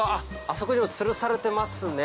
そこにもつるされてますね。